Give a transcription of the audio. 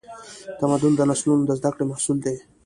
تمدن د نسلونو د زدهکړې محصول دی.